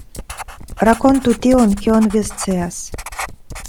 Rakontu tion, kion vi scias.